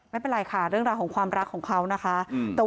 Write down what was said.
ไม่เป็นไรค่ะเรื่องราวของความรักของเขานะคะ